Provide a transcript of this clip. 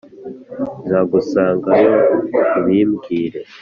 nzagusanga yo ubimbwire